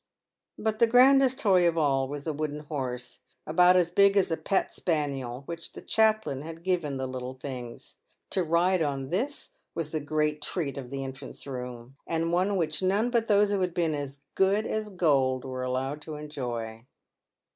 But the grandest toy of all was the wooden horse, about as big as a pet spaniel, which the chaplain had given the little things. To ride on this was the great treat of the infants' room, and one which none but those who had been "as good as gold" were allowed to enjoy.